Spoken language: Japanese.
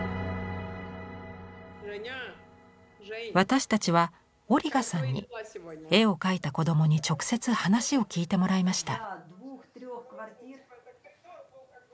私たちはオリガさんに絵を描いた子どもに直接話を聞いてもらいました。